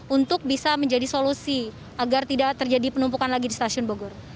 untuk bisa menjadi solusi agar tidak terjadi penumpukan lagi di stasiun bogor